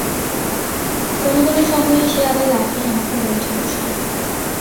কোনো কোনো সময়ে সে আবার লাফিয়ে আমার কোলে উঠে বসত।